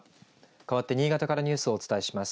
かわって新潟からニュースをお伝えします。